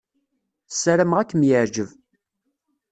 Ssarameɣ ad kem-yeɛjeb.